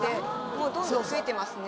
もうどんどん増えてますね